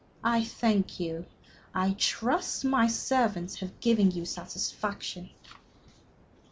I thank you. I trust my servants have given you satisfaction.